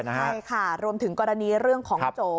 ใช่ค่ะรวมถึงกรณีเรื่องของโจ